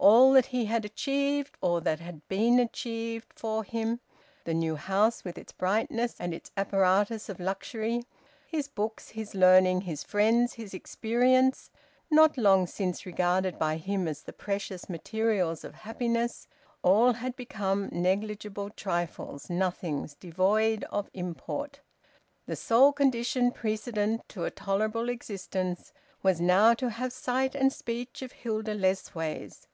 All that he had achieved, or that had been achieved for him the new house with its brightness and its apparatus of luxury, his books, his learning, his friends, his experience: not long since regarded by him as the precious materials of happiness all had become negligible trifles, nothings, devoid of import. The sole condition precedent to a tolerable existence was now to have sight and speech of Hilda Lessways.